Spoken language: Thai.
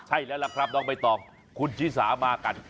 ใช่แล้วล่ะครับน้องใบตองคุณชิสามากัน